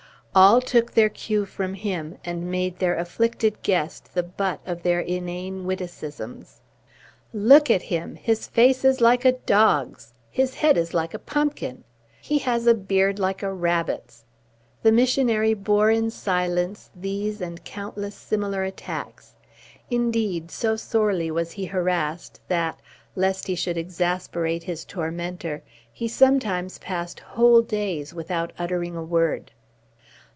All took their cue from him, and made their afflicted guest the butt of their inane witticisms. "Look at him! His face is like a dog's!" "His head is like a pumpkin!" "He has a beard like a rabbit's!" The missionary bore in silence these and countless similar attacks; indeed, so sorely was he harassed, that, lest he should exasperate his tormentor, he sometimes passed whole days without uttering a word.